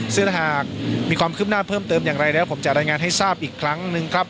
ซึ่งถ้าหากมีความคืบหน้าเพิ่มเติมอย่างไรแล้วผมจะรายงานให้ทราบอีกครั้งหนึ่งครับ